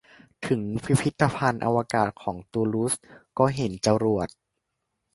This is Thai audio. ถึงพิพิธภัณฑ์อวกาศของตูลูสก็เห็นจรวด